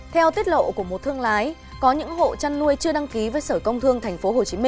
theo tiết lộ của một thương lái có những hộ chăn nuôi chưa đăng ký với sở công thương tp hcm